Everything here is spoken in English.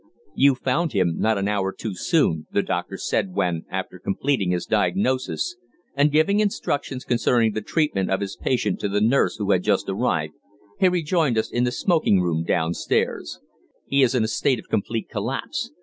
"You found him not an hour too soon," the doctor said when, after completing his diagnosis, and giving instructions concerning the treatment of his patient to the nurse who had just arrived, he rejoined us in the smoking room downstairs. "He is in a state of complete collapse.